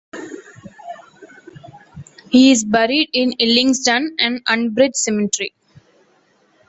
He is buried in Hillingdon and Uxbridge Cemetery.